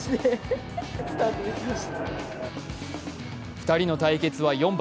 ２人の対決は４番。